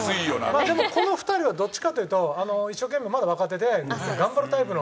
まあでもこの２人はどっちかっていうと一生懸命まだ若手で頑張るタイプの。